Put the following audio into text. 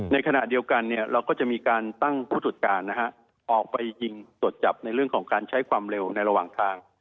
ในขณะเดียวกันเราก็จะมีการตั้งผู้ตรวจการออกไปยิงตรวจจับในเรื่องของการใช้ความเร็วในระหว่างทาง